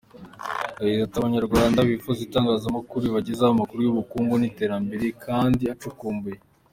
Yagize ati “Abanyarwanda bifuza itangazamakuru ribagezaho amakuru y’ubukungu n’iterambere kandi acukumbuye.